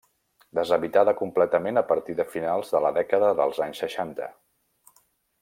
Deshabitada completament a partir de finals de la dècada dels anys seixanta.